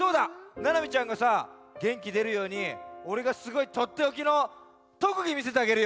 ななみちゃんがさげんきでるようにおれがすごいとっておきのとくぎみせてあげるよ！